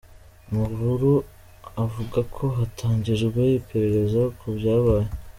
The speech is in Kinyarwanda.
Amakuru avuga ko hatangijwe iperereza ku byabaye.